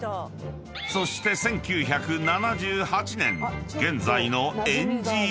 ［そして１９７８年現在のえんじ色が登場］